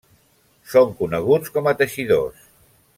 Són coneguts com a teixidors.